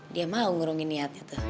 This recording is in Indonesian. dia mau ngurungi niatnya tuh